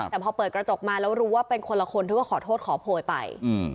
แต่พอเปิดกระจกมาแล้วรู้ว่าเป็นคนละคนเธอก็ขอโทษขอโพยไป